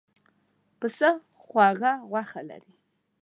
پسه خوږه غوښه لري.